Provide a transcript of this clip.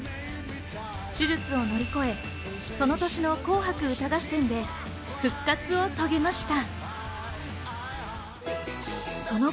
手術を乗り越え、その年の『紅白歌合戦』で復活を遂げました。